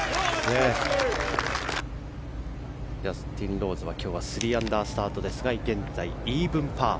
ジャスティン・ローズは今日は３アンダースタートですが現在、イーブンパー。